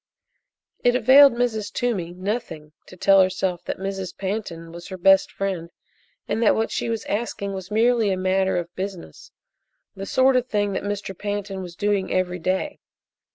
It availed Mrs. Toomey nothing to tell herself that Mrs. Pantin was her best friend, and that what she was asking was merely a matter of business the sort of thing that Mr. Pantin was doing every day.